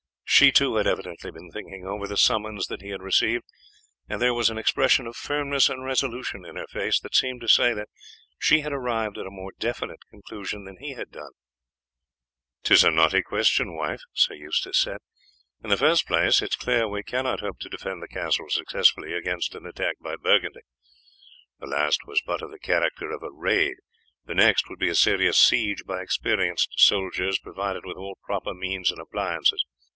She, too, had evidently been thinking over the summons that he had received, and there was an expression of firmness and resolution in her face that seemed to say that she had arrived at a more definite conclusion than he had done. "'Tis a knotty question, wife," Sir Eustace said. "In the first place, it is clear we cannot hope to defend the castle successfully against an attack by Burgundy. The last was but of the character of a raid, the next would be a serious siege by experienced soldiers provided with all proper means and appliances.